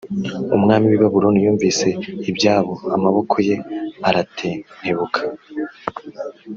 umwami w i babuloni yumvise ibyabo amaboko ye aratentebuka